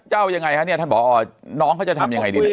จะเอายังไงครับเนี่ยท่านบอกน้องเขาจะทำยังไงดี